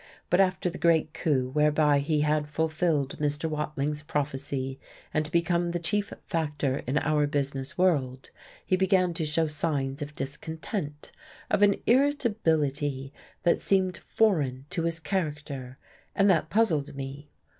But after the great coup whereby he had fulfilled Mr. Watling's prophecy and become the chief factor in our business world he began to show signs of discontent, of an irritability that seemed foreign to his character, and that puzzled me.